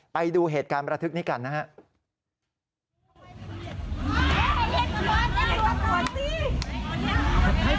ไปดูเหตุการณ์ประทึกนี้กันนะครับ